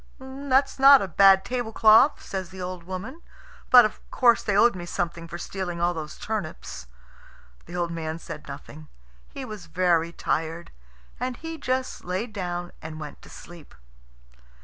"That's not a bad tablecloth," says the old woman; "but, of course, they owed me something for stealing all those turnips." The old man said nothing. He was very tired, and he just laid down and went to sleep.